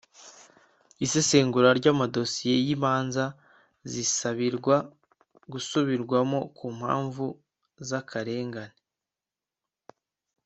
isesengura ry’amadosiye y’imanza zisabirwa gusubirwamo ku mpamvu z’akarengane